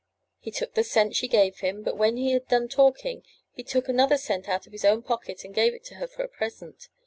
He took the cent she gave him, but when he had done talking he took another cent out of his own pocket and gave it to her for a present.